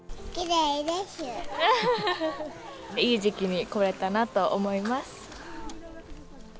いい時期に来れたなと思います。